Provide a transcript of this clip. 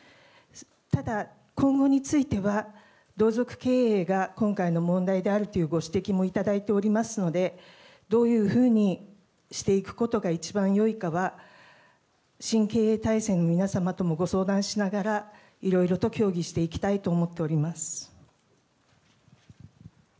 ただ今後については、同族経営が今回の問題であるというご指摘も頂いておりますので、どういうふうにしていくことが一番よいかは、新経営体制の皆様ともご相談しながら、いろいろと協議していきたいと思っております。